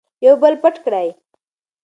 یو بل پټ کړئ.